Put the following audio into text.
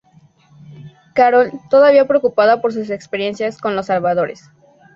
Carol, todavía preocupada por sus experiencias con los salvadores.